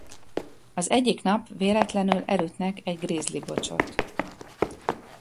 Az egyik nap véletlenül elütnek egy grizzly bocsot.